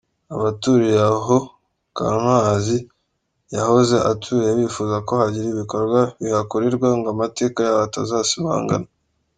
Abaturiye aho Kankazi yahoze atuye bifuza ko hagira ibikorwa bihakorerwa ngo amateka yaho atazasibangana.